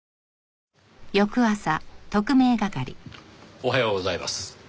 おはようございます。